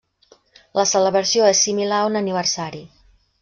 La celebració és similar a un aniversari.